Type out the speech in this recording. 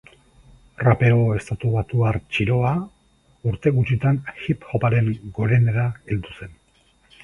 Rapero estatubatuar txiroa urte gutxitan hip-hoparen gorenera heldu zen.